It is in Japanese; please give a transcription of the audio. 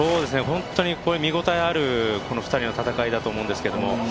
本当に見応えある２人の戦いだと思うんですけども